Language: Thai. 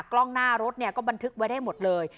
กล้องหน้ารถก็บันทึกไว้ได้หมดเลย